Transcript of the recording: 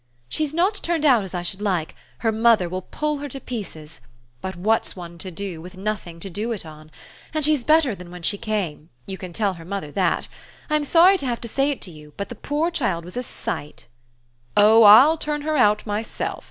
"She's not turned out as I should like her mother will pull her to pieces. But what's one to do with nothing to do it on? And she's better than when she came you can tell her mother that. I'm sorry to have to say it to you but the poor child was a sight." "Oh I'll turn her out myself!"